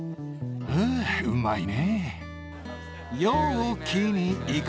うぅうまいね。